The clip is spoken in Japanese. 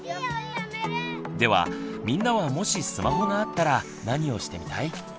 ではみんなはもしスマホがあったら何をしてみたい？